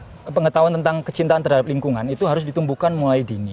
nah pengetahuan tentang kecintaan terhadap lingkungan itu harus ditumbuhkan mulai dini